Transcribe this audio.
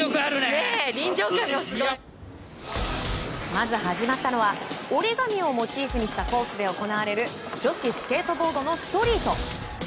まず始まったのは折り紙をモチーフにしたコースで行われる女子スケートボードのストリート。